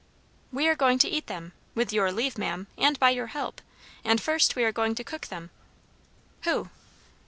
"We are going to eat them with your leave ma'am, and by your help; and first we are going to cook them." "Who?"